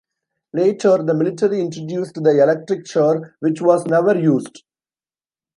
Later, the military introduced the electric chair, which was never used.